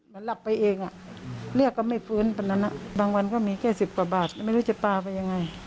มันรับไปเองอ่ะเลือกก็ไม่ฟื้นตอนนั้นอ่ะบางวันก็มีแค่สิบกว่าบาทไม่รู้จะปลาไปยังไง